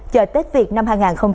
chờ tết việt năm hai nghìn hai mươi bốn